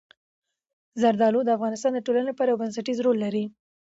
زردالو د افغانستان د ټولنې لپاره یو بنسټيز رول لري.